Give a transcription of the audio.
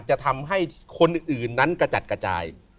จะทำให้คนอื่นนั้นกระจัดกระจาย